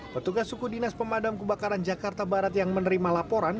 petugas suku dinas pemadam kebakaran jakarta barat yang menerima laporan